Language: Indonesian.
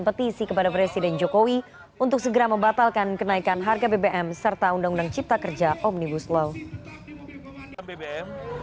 petisi kepada presiden jokowi untuk segera membatalkan kenaikan harga bbm